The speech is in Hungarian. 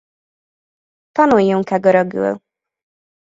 Tanuljunk-e görögül?